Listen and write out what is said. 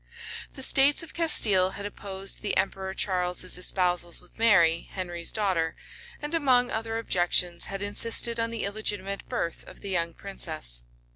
The states of Castile had opposed the emperor Charles's espousals with Mary, Henry's daughter; and among other objections, had insisted on the illegitimate birth of the young princess.